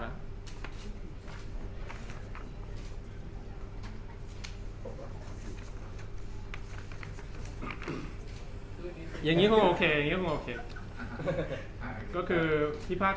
จากความไม่เข้าจันทร์ของผู้ใหญ่ของพ่อกับแม่